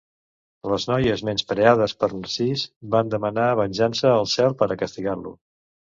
Les noies menyspreades per Narcís van demanar venjança al cel per a castigar-lo.